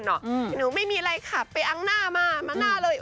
หนูไม่มีอะไรขับไปอังหน้ามาหน้าเลย